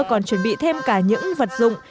còn chuẩn bị thêm cả những vật dụng